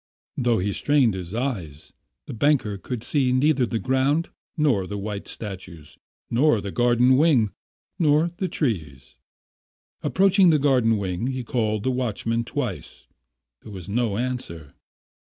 Though he strained his eyes, the banker could see neither the ground, nor the white statues, nor the garden wing, nor the trees. Approaching the garden wing, he called the watchman twice. There was no answer.